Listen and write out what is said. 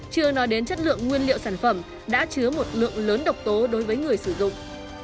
chưa nói đến chất lượng nguyên liệu sản phẩm đã chứa một lượng lớn độc tố đối với người sử dụng